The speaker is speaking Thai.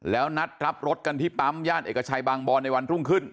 แล้วนัดรับรถกันที่ปั๊มย่านเอกชัยบางบอนในวันรุ่งขึ้น